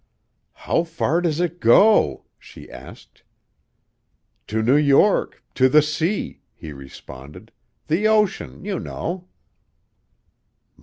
"How far does it go?" she asked. "To New York; to the sea," he responded. "The ocean, you know."